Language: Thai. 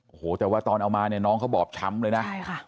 โอ้โหแต่ว่าตอนเอามาเนี่ยน้องเขาบอบช้ำเลยนะใช่ค่ะ